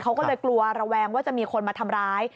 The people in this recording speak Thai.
เขาก็เลยกลัวระแวงว่าจะมีคนมาทำร้าย